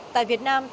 tại việt nam